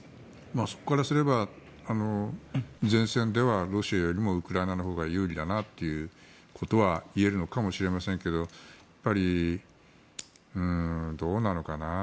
そこからすれば前線ではロシアよりもウクライナのほうが有利だなということはいえるのかもしれませんがやっぱり、どうなのかな。